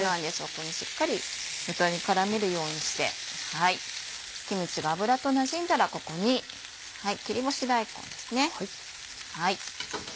ここでしっかり豚に絡めるようにしてキムチが脂となじんだらここに切り干し大根です。